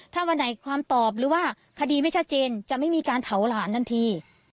ถ้าวันไหนความตอบหรือว่าคดีไม่ชัดเจนจะไม่มีการเผาหลานทันที